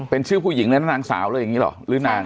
เป็นชื่อผู้หญิงเลยนะนางสาวเลยอย่างนี้เหรอหรือนาง